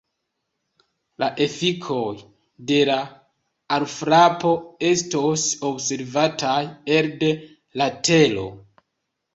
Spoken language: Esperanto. La efikoj de la alfrapo estos observataj elde la Tero.